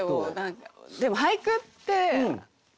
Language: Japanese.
でも俳句って